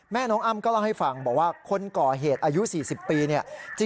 แม่น้องอ้ำก็ลองให้ฟังบอกว่าคนก่อเหตุอายุ๔๐ปี